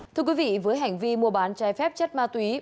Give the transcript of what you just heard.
thưa quý vị với hành vi mua bán trái phép chất ma túy